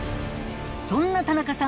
そんな田中さん